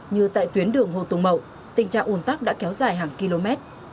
như tại tuyến đường hồ tùng mậu tình trạng ủn tắc đã kéo dài hàng km